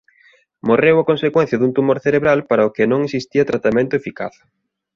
Morreu a consecuencia dun tumor cerebral para o que non existía tratamento eficaz.